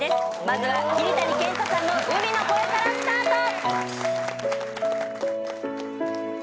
まずは桐谷健太さんの『海の声』からスタート！